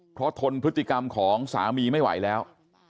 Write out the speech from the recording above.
เพราะทนพฤติกรรมของสามีไม่ไหวแล้ว